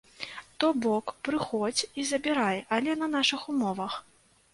То бок, прыходзь і забірай, але на нашых умовах.